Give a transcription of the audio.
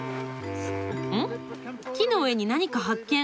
木の上に何か発見。